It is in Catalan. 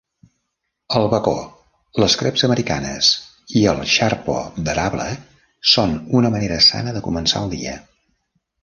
El bacó, les creps americanes i el xarpo d'erable són una manera sana de començar el dia.